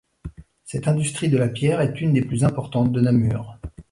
Cette industrie de la pierre est une des plus importantes de Namur.